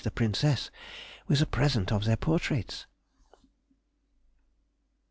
the Princess, with a present of their portraits.